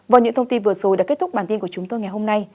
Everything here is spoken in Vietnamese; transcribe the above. và những thông tin vừa rồi đã kết thúc bản tin của chúng tôi ngày hôm nay